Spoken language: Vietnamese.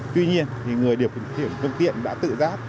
tuy nhiên thì người điều khiển phương tiện đã tự giác